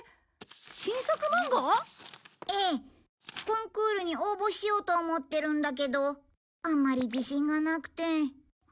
コンクールに応募しようと思ってるんだけどあんまり自信がなくて。